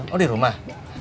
oh di rumah